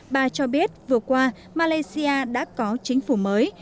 bà cho biết vừa qua malaysia đã có chính phủ mới